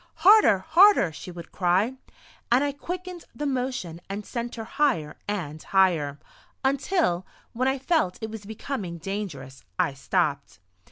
"Harder! Harder!" she would cry, and I quickened the motion and sent her higher and higher, until, when I felt it was becoming dangerous, I stopped.